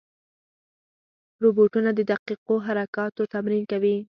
روبوټونه د دقیقو حرکاتو تمرین کوي.